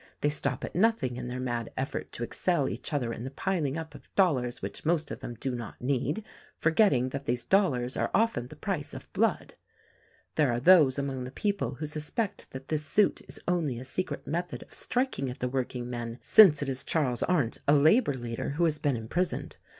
They stop at nothing in their mad effort to excel each other in the piling up of dollars which most of them do not need — forgetting that these dollars are often the price of blood. There are those among the people who suspect that this suit is only a secret method of striking at the workingmen, since it is Charles Arndt, a labor leader, who has been imprisoned.